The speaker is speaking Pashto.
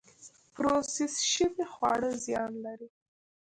پروسس شوي خواړه زیان لري